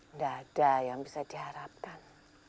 nggak ada yang bisa diharapkan